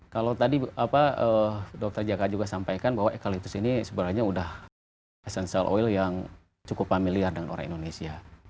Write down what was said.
kalau tadi dokter jaga juga sampaikan bahwa eukaliptus ini sebenarnya sudah essential oil yang cukup familiar dengan orang indonesia